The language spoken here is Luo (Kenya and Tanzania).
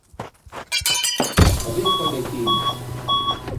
Odhi kode kiny